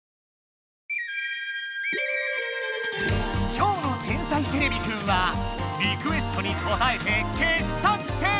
今日の「天才てれびくん」はリクエストにこたえて傑作選！